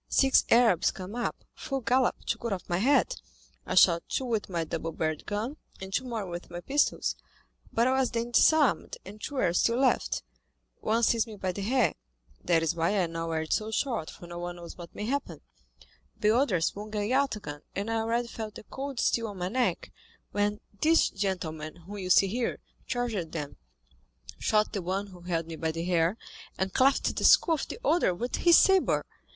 Six Arabs came up, full gallop, to cut off my head. I shot two with my double barrelled gun, and two more with my pistols, but I was then disarmed, and two were still left; one seized me by the hair (that is why I now wear it so short, for no one knows what may happen), the other swung a yataghan, and I already felt the cold steel on my neck, when this gentleman whom you see here charged them, shot the one who held me by the hair, and cleft the skull of the other with his sabre.